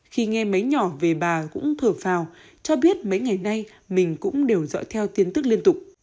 khi nghe mấy nhỏ về bà cũng thở phào cho biết mấy ngày nay mình cũng đều dõi theo tin tức liên tục